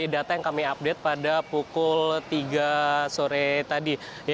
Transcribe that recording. data yang kami update pada pukul tiga sore tadi